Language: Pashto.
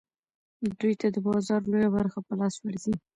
دوی ته د بازار لویه برخه په لاس ورځي